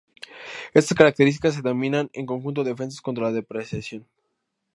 Estas características se denominan en conjunto Defensas contra la depredación.